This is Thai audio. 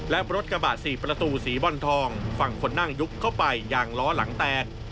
และรถกระบะ๔ประตูสีบอลทองฝั่งคนนั่งยุบเข้าไปยางล้อหลังแตก